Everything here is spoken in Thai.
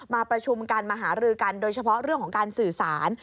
มาประชุมกันมาหารือกันโดยเฉพาะเรื่องของการสื่อสาร